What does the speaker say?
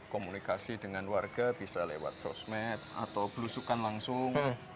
komunikasi dengan warga bisa lewat sosmed atau belusukan langsung